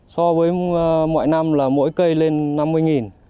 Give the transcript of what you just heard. so với mọi năm là mỗi cây lên năm mươi